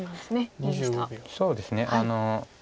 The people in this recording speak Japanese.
そうですね。